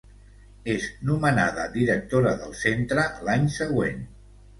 És nomenada directora del centre l'any següent.